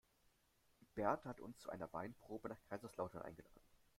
Berta hat uns zu einer Weinprobe nach Kaiserslautern eingeladen.